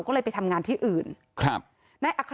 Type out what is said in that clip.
ก็เลยไปทำงานที่อื่นครับ